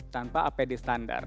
tanpa apd standar